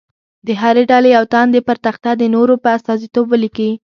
د هرې ډلې یو تن دې پر تخته د نورو په استازیتوب ولیکي.